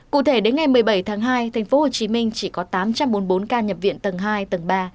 cụ thể đến ngày một mươi bảy tháng hai thành phố hồ chí minh chỉ có tám trăm bốn mươi bốn ca nhập viện tầng hai tầng ba